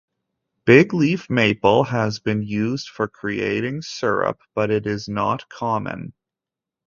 Bigleaf maple has been used for creating syrup but it is not common.